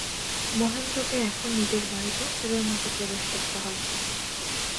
মহেন্দ্রকে এখন নিজের বাড়িতেও চোরের মতো প্রবেশ করিতে হয়।